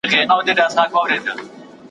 ستا سندره ووایم څوک خو به څه نه وايي ,